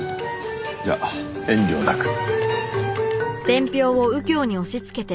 じゃ遠慮なく。